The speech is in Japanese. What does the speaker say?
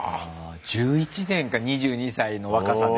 １１年か２２歳の若さで。